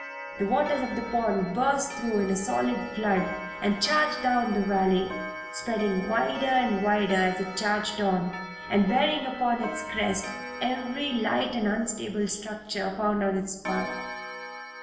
The waters of the pond burst through in a solid flood and charged down the valley, spreading wider and wider as it charged on, and bearing upon its crest every light and unstable structure found in its path.